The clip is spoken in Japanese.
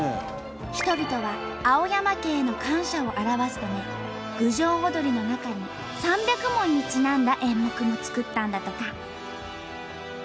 人々は青山家への感謝を表すため郡上踊りの中に３００文にちなんだ演目も作ったんだとか。